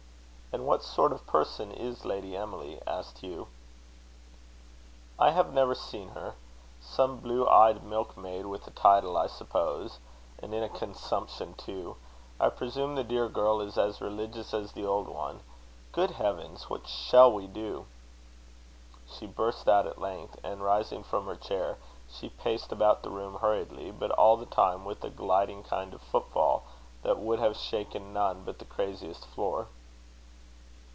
"And what sort of person is Lady Emily?" asked Hugh. "I have never seen her. Some blue eyed milk maid with a title, I suppose. And in a consumption, too! I presume the dear girl is as religious as the old one. Good heavens! what shall we do?" she burst out at length; and, rising from her chair, she paced about the room hurriedly, but all the time with a gliding kind of footfall, that would have shaken none but the craziest floor.